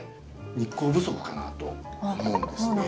日光不足かなと思うんですね。